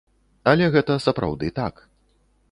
Але гэта сапраўды так.